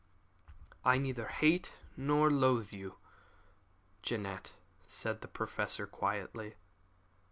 "I neither hate nor loathe you, Jeannette," said the Professor, quietly.